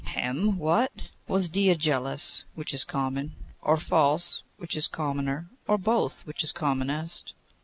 'Hem! What! was Dia jealous, which is common; or false, which is commoner; or both, which is commonest?